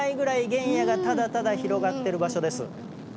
原野がただただ広がってる場所です。